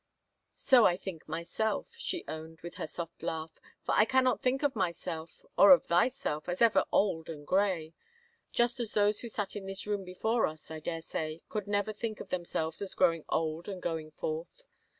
" So I think myself," she owned with her soft laugh, " for I cannot think of myself — or of thyself — as ever old and gray. Just as those who sat in this room before us, I dare say, could never think of themselves as grow ing old and going forth.